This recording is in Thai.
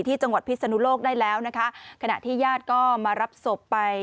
ที่จังหวัดพิศนุโลกได้แล้วนะคะขณะที่ญาติก็มารับศพไป